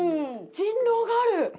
人狼がある！